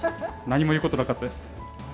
何も言うことなかったです。